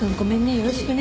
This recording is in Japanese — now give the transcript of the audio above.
よろしくね。